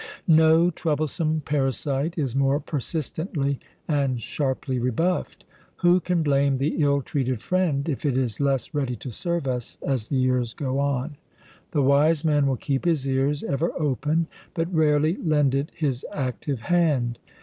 No troublesome parasite is more persistently and sharply rebuffed. Who can blame the ill treated friend if it is less ready to serve us as the years go on? The wise man will keep his ears ever open, but rarely lend it his active hand.